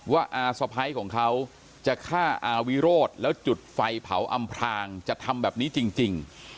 อาสะพ้ายของเขาจะฆ่าอาวิโรธแล้วจุดไฟเผาอำพลางจะทำแบบนี้จริง